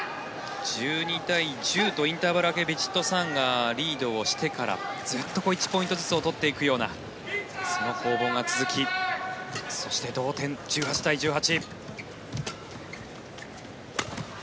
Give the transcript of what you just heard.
１２対１０とインターバル明けヴィチットサーンがリードをしてからずっと１ポイントずつを取っていくようなその攻防が続きそして同点、１８対１８。